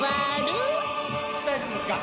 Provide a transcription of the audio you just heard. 大丈夫ですか？